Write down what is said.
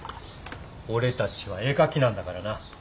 俺たちは絵描きなんだからな。